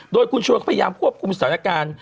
โดยคุณชวนก็พยายามควบคุมสถานการณ์